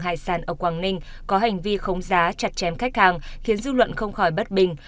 hải sản ở quảng ninh có hành vi khống giá chặt chém khách hàng khiến dư luận không khỏi bất bình